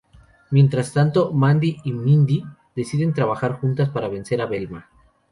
Mientras tanto, Mandy y Mindy deciden trabajar juntas para vencer a Velma.